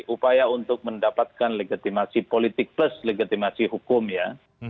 upaya untuk mendapatkan legitimasi politik plus legitimasi hukum ya